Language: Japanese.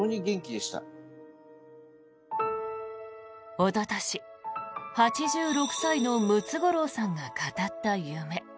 おととし、８６歳のムツゴロウさんが語った夢。